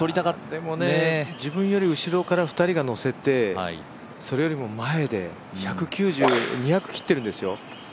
でもね、自分よりあとから２人が乗せてそれよりも前で２００切ってるんですよ。